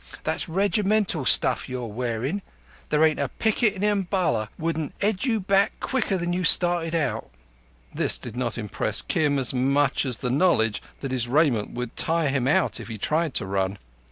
That's regimental stuff you're wearin'. There ain't a picket in Umballa wouldn't 'ead you back quicker than you started out." This did not impress Kim as much as the knowledge that his raiment would tire him out if he tried to run.